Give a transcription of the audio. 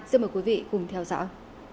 xin mời quý vị cùng theo dõi